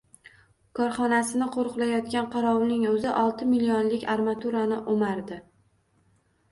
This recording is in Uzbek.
Korxonasini qoʻriqlayotgan qorovulning oʻzi olti millionlik armaturani oʻmardi.